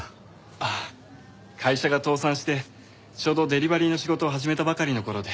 ああ会社が倒産してちょうどデリバリーの仕事を始めたばかりの頃で。